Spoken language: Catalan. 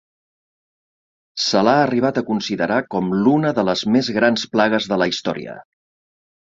Se l'ha arribat a considerar com l'una de les més grans plagues de la història.